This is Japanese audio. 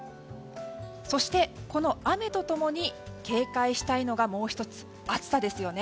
そして、この雨と共に警戒したいのがもう１つ暑さですよね。